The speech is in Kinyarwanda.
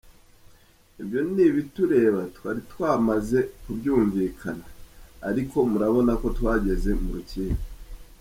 Ibyo ni ibitureba twari twamaze kubyumvikana, ariko murabona ko twageze mu rukiko.